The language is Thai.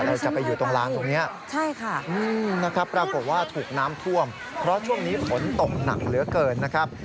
เราจะไปอยู่ตรงล้างตรงนี้ปรากฏว่าถูกน้ำท่วมเพราะช่วงนี้ฝนตกหนักเหลือเกินนะครับ